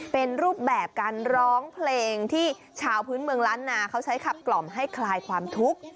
เป็นรูปแบบการร้องเพลงที่ชาวพื้นเมืองล้านนาเขาใช้ขับกล่อมให้คลายความทุกข์